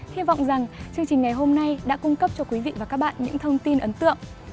hy vọng rằng chương trình ngày hôm nay đã cung cấp cho quý vị và các bạn những thông tin ấn tượng